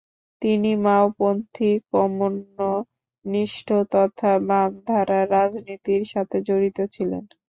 তিনি মাওপন্থী কম্যুনিস্ট তথা বামধারার রাজনীতির সাথে জড়িত ছিলেন।